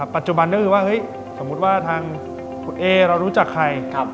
ปัจจุบันก็คือว่าเฮ้ยสมมุติว่าทางคุณเอเรารู้จักใคร